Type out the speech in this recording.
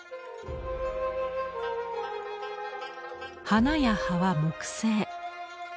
花や葉は木製。